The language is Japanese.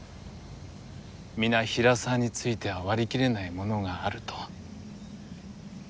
皆平沢については割り切れないものがあると。